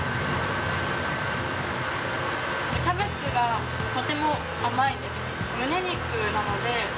キャベツがとても甘いです。